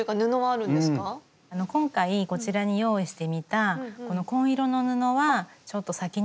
あの今回こちらに用意してみたこの紺色の布はちょっと裂き